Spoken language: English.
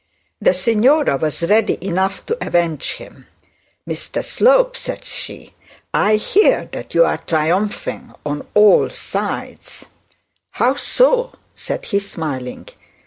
The signora was ready enough to avenge him. 'Mr Slope,' said she, 'I hear that you are triumphing on all sides.' 'How so,' said he smiling.